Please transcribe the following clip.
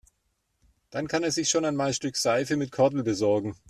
Dann kann er sich schon einmal ein Stück Seife mit Kordel besorgen.